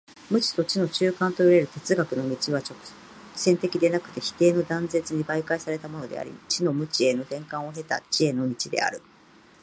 無知と知との中間といわれる哲学の道は直線的でなくて否定の断絶に媒介されたものであり、知の無知への転換を経た知への道である。